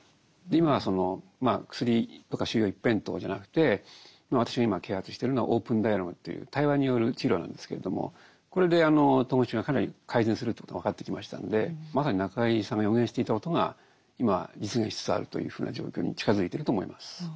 今は薬とか収容一辺倒じゃなくて私が今啓発してるのは「オープンダイアローグ」という対話による治療なんですけれどもこれで統合失調症がかなり改善するということが分かってきましたんでまさに中井さんが予言していたことが今実現しつつあるというふうな状況に近づいてると思います。